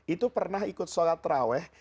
itu pernah ikut sholat terawih